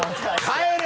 帰れ！